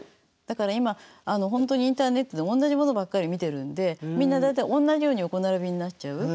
だから今本当にインターネットでおんなじものばっかり見てるんでみんな大体おんなじように横並びになっちゃう。